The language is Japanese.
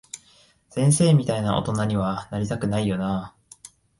先生みたいな大人には、なりたくないよなぁ。